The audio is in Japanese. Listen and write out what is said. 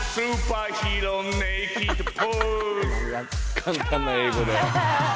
簡単な英語で。